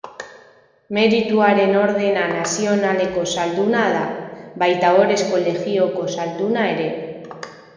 Merituaren Ordena Nazionaleko Zalduna da, baita Ohorezko Legioko Zalduna ere.